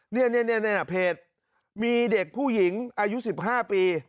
นี่เพจมีเด็กผู้หญิงอายุ๑๕ปี